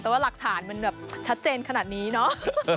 แต่ว่าหลักฐานมันแบบชัดเจนขนาดนี้เนาะ